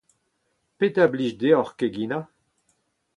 Petra a blij deoc'h keginañ ?